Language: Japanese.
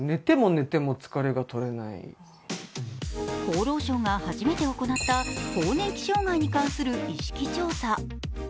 厚労省が初めて行った「更年期障害に関する意識調査」。